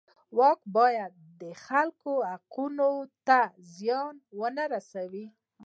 واک باید د خلکو حقونو ته زیان ونه رسوي.